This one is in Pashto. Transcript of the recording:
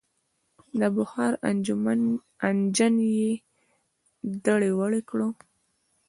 د بخار انجن یې دړې وړې کړ.